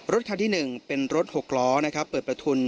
รถคันที่๑เป็นรถหกล้อเปิดประทุน